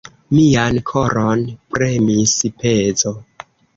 Mian koron premis pezo.